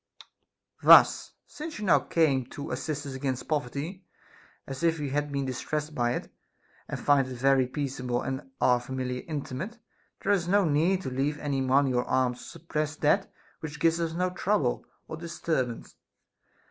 Thus, since now you came to assist us against poverty as if we had been dis tressed by it, and find it very peaceable and our familiar inmate, there is no need to leave any money or arms to suppress that which gives us no trouble or disturbance.